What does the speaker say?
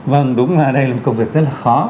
vâng đúng là đây là một công việc rất là khó